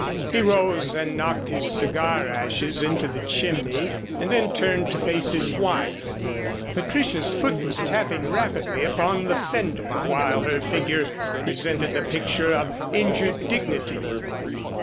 He rose and knocked his cigar ashes into the chimney and then turned to face his wife. Patricia's foot was tapping rapidly upon the fender while her figure presented the picture of injured dignity.